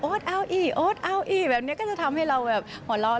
เอาอีโอ๊ตเอาอีกแบบนี้ก็จะทำให้เราแบบหัวเราะ